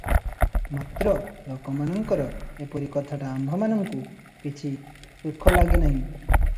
ମାତ୍ର ଲୋକମାନଙ୍କର ଏପରି କଥାଟା ଆମ୍ଭମାନଙ୍କୁ କିଛି ସୁଖ ଲାଗେ ନାହିଁ ।